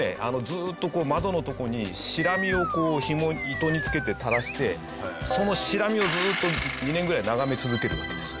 ずーっと窓のとこにシラミを糸につけて垂らしてそのシラミをずーっと２年ぐらい眺め続けるわけです。